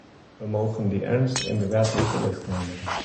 We mogen die ernst inderdaad niet te licht nemen.